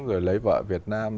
rồi lấy vợ việt nam